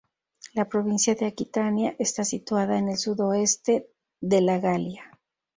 La provincia de Aquitania está situada en el sudoeste de la Galia.